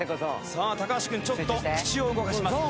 さあ橋君ちょっと口を動かします。